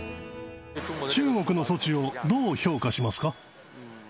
中国の措置をどう評価します